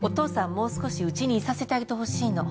もう少しうちにいさせてあげてほしいの。